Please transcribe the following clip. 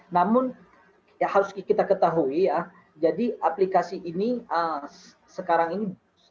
namun ya harus kita ketahui ya jadi aplikasi ini sekarang ini